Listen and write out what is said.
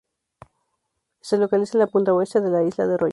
Se localiza en la punta oeste de la isla de Rolla.